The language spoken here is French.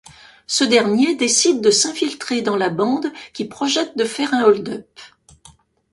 Ce dernier décide de s'infiltrer dans la bande qui projette de faire un hold-up.